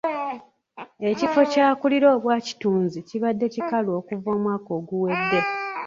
Ekifo ky'akulira obwakitunzi kibadde kikalu okuva omwaka oguwedde.